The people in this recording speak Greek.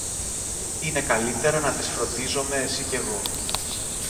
είναι καλύτερα να τις φροντίζομε εσυ κι εγώ